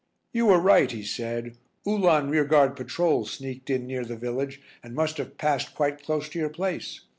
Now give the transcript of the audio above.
"You were right," he said. "Uhlan rearguard patrols sneaked in near the village, and must have passed quite close to your place.